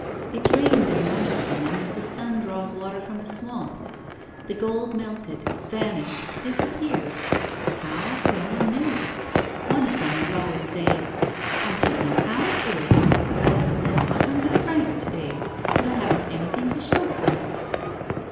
It drained their money from them as the sun draws water from a swamp. The gold melted, vanished, disappeared. How'? No one knew. One of them was always saying: " I don't know how it is, but I have spent a hundred francs to day, and I haven't anything to show for it."